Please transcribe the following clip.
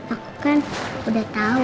aku kan udah tau